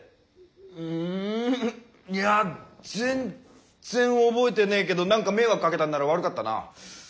ううんいやぜんっぜん覚えてねーけどなんか迷惑かけたんなら悪かったな。